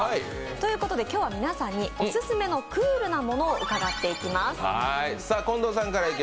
ということで今日は皆さんにオススメのクールなモノを伺っていきます。